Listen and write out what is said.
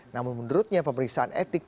namun menurutnya pemeriksaan etik